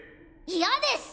嫌です！